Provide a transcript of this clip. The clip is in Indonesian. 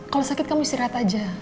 kalau sakit kamu istirahat aja